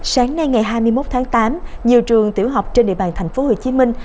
sáng nay ngày hai mươi một tháng tám nhiều trường tiểu học trên địa bàn thành phố hồ chí minh